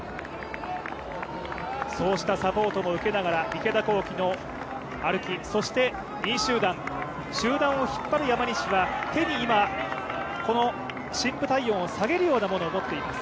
そうしたサポートもうけながら池田向希の歩き、そして２位集団、集団を引っ張る山西は手に今、この深部体温を下げるようなものを持っています。